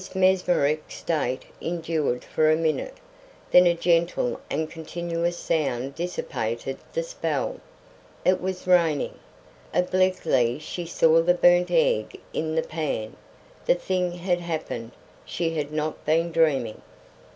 This mesmeric state endured for a minute; then a gentle and continuous sound dissipated the spell. It was raining. Obliquely she saw the burnt egg in the pan. The thing had happened; she had not been dreaming.